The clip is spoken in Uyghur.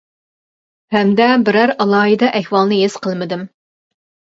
ھەمدە بىرەر ئالاھىدە ئەھۋالنى ھېس قىلمىدىم.